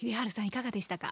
いかがでしたか？